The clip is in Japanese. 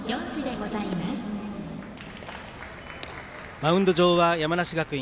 マウンド上は山梨学院。